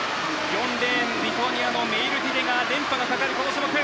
４レーン、リトアニアのメイルティテが連覇がかかるこの種目。